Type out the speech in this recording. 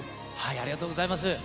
ありがとうございます。